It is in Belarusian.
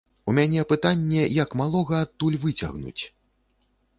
У мяне пытанне, як малога адтуль выцягнуць.